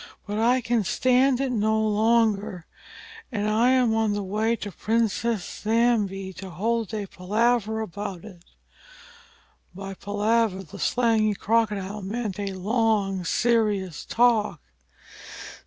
But I can stand it no longer, and I am on the way to Princess Nzambi to hold a palaver about it." (By "palaver" the slangy Crocodile meant a long, serious talk.)